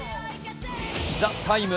「ＴＨＥＴＩＭＥ，」